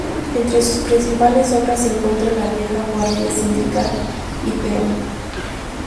Entre sus principales obras se encuentra "La vieja guardia sindical y Perón.